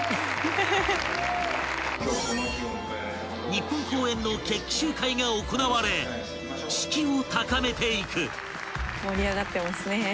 ［日本公演の決起集会が行われ士気を高めていく］